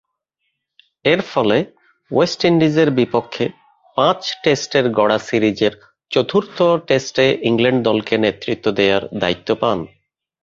এরফলে ওয়েস্ট ইন্ডিজের বিপক্ষে পাঁচ টেস্টের গড়া সিরিজের চতুর্থ টেস্টে ইংল্যান্ড দলকে নেতৃত্ব দেয়ার দায়িত্ব পান।